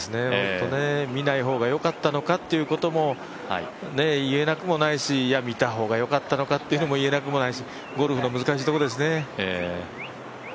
見ない方がよかったのかっていうこともいえなくもないしいや、見た方がよかったのかっていうのも言えなくもないしゴルフの難しいところですね。